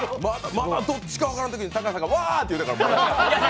まだどっちか分からないときに高橋さんがわーって。